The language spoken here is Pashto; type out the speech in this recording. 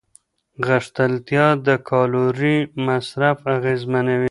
غښتلتیا د کالوري مصرف اغېزمنوي.